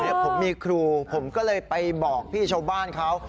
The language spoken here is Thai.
นี่ผมมีครูผมก็เลยไปบอกพี่ชาวบ้านเขา